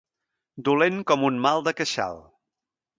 Dolent com un mal de queixal.